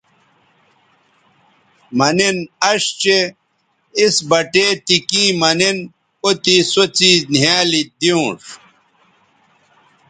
مہ نِن اش چہء اِس بٹے تی کیں مہ نِن او تے سو څیز نِھیالی دیونݜ